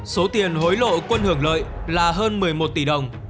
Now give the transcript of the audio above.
số tiền hối lộ quân hưởng lợi là hơn một mươi một tỷ đồng